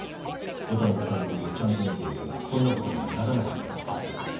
五反田さんの事をちゃんと見ていればこんな事にはならなかったはずです。